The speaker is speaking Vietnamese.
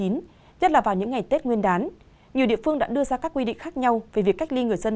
nhất là vào những ngày tết nguyên đán nhiều địa phương đã đưa ra các quy định khác nhau về việc cách ly người dân